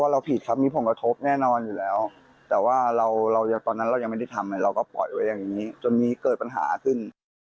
เราก็ปล่อยไว้อย่างนี้จนมีเกิดปัญหาขึ้น